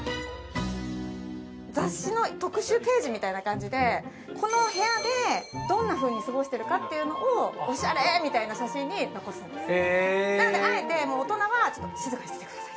雑誌の特集ページみたいな感じでこの部屋でどんなふうに過ごしてるかっていうのをおしゃれみたいな写真に残すんですなのであえてもう大人はちょっと静かにしててください